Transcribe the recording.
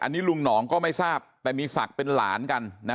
อันนี้ลุงหนองก็ไม่ทราบแต่มีศักดิ์เป็นหลานกันนะ